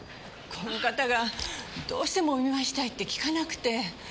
この方がどうしてもお見舞いしたいって聞かなくて。